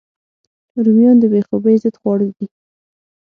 رومیان د بې خوبۍ ضد خواړه دي